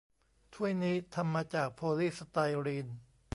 ถ้วยนี้ทำมาจากโพลีสไตรีน